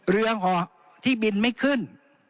เรือออกที่บินไม่ขึ้น